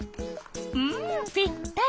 うんぴったり！